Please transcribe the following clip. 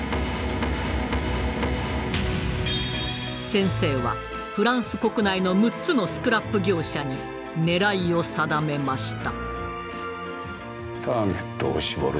先生はフランス国内の６つのスクラップ業者に狙いを定めました。